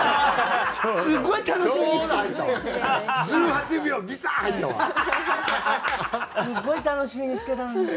すごい楽しみにしてたのに。